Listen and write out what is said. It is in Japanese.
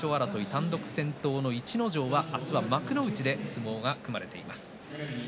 単独先頭の逸ノ城は明日は幕内で相撲が組まれています。